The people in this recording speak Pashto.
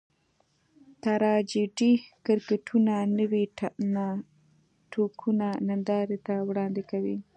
ټراجېډي کرکټرونه نوي ناټکونه نندارې ته وړاندې کوي.